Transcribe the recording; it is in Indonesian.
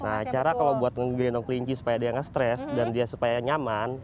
nah cara kalau buat ngegendong kelinci supaya dia nge stres dan dia supaya nyaman